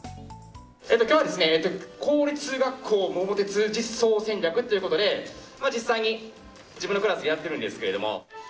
今日は公立学校「桃鉄」実装戦略ということで実際に自分のクラスでやってるんですけども。